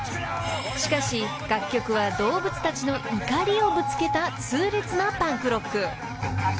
［しかし楽曲は動物たちの怒りをぶつけた痛烈なパンクロック］